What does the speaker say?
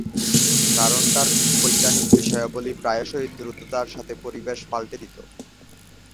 কারণ তার বৈজ্ঞানিক বিষয়াবলী প্রায়শঃই দ্রুততার সাথে পরিবেশ পাল্টে দিতো।